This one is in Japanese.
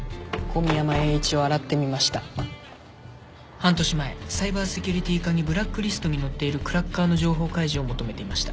半年前サイバーセキュリティー課にブラックリストに載っているクラッカーの情報開示を求めていました。